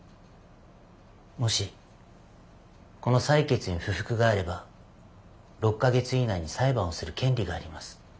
もしこの裁決に不服があれば６か月以内に裁判をする権利があります。